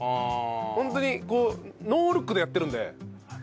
ホントにノールックでやってるので。